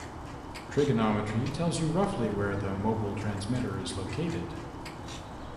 Trigonometry tells you roughly where the mobile transmitter is located.